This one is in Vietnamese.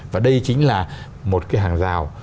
và đây chính là một cái hàng rào